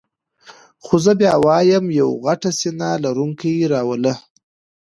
خو زه بیا وایم یو غټ سینه لرونکی را وله.